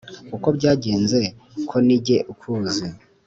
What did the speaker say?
Uko byagenze ko ni jye ukuzi.